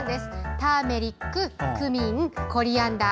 ターメリック、クミンコリアンダー。